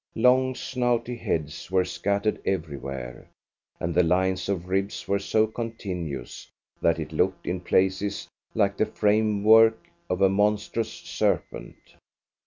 Long, snouty heads were scattered everywhere, and the lines of ribs were so continuous that it looked in places like the framework of a monstrous serpent.